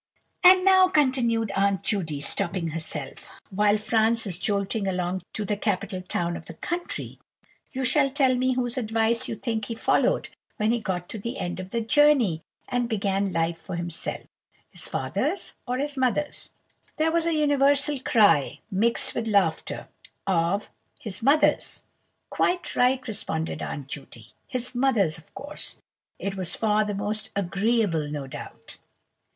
"And now," continued Aunt Judy, stopping herself, "while Franz is jolting along to the capital town of the country, you shall tell me whose advice you think he followed when he got to the end of the journey, and began life for himself—his father's or his mother's?" There was a universal cry, mixed with laughter, of "His mother's!" "Quite right," responded Aunt Judy. "His mother's, of course. It was far the most agreeable, no doubt.